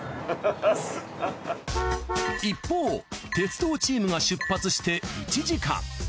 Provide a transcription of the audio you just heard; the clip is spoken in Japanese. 一方鉄道チームが出発して１時間。